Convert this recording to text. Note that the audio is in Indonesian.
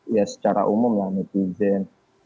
ya secara umum ya yang berada di luar jakarta